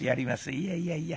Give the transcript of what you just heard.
いやいやいや。